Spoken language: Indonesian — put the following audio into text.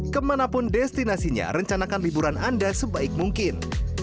kemanapun destinasinya rencanakan liburan anda sebaik mungkin